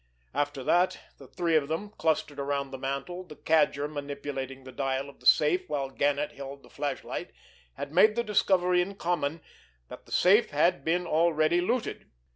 After that, the three of them, clustered around the mantel, the Cadger manipulating the dial of the safe while Gannet held the flashlight, had made the discovery in common that the safe had been already looted.